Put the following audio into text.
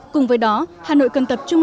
cùng với đó hà nội cần tập trung